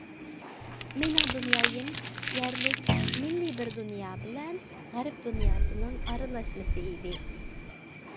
مېنىڭ دۇنيايىم يەرلىك، مىللىي بىر دۇنيا بىلەن غەرب دۇنياسىنىڭ ئارىلاشمىسى ئىدى.